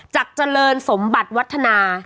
เจริญสมบัติวัฒนา